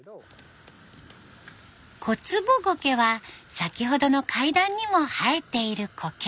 コツボゴケは先ほどの階段にも生えているコケ。